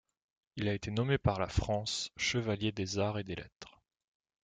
Il a été nommé par la France Chevalier des Arts et des Lettres.